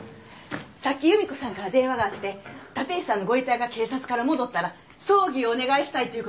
さっき夕美子さんから電話があって立石さんのご遺体が警察から戻ったら葬儀をお願いしたいということです。